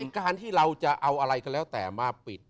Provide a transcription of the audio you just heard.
การที่เราจะเอาอะไรก็แล้วแต่มาปิด